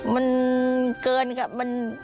มันเกินกับมัน